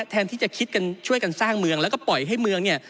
แทนที่จะคิดกันช่วยกันสร้างเมืองแล้วก็ปล่อยให้เมืองเนี่ย